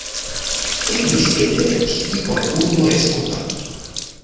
Eblis elekti pli ol unu respondon.